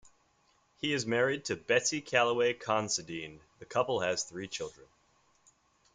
He is married to Betsy Callaway Considine; the couple has three children.